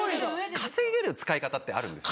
稼げる使い方ってあるんですよ。